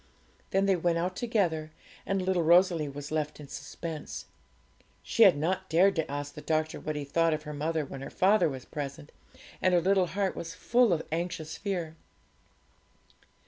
Then they went out together, and little Rosalie was left in suspense. She had not dared to ask the doctor what he thought of her mother when her father was present, and her little heart was full of anxious fear.